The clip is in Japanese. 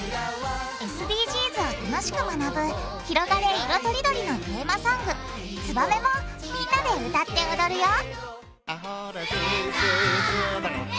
ＳＤＧｓを楽しく学ぶ「ひろがれ！いろとりどり」のテーマソング「ツバメ」もみんなで歌って踊るよ！